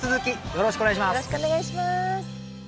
よろしくお願いします。